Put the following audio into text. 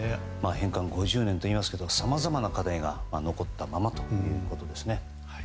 返還５０年といいますけどさまざまな課題が残ったままということですね。